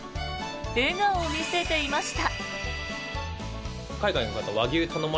笑顔を見せていました。